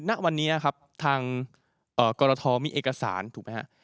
ณวันนี้ครับทางกรทมีเอกสารถูกไหมฮะ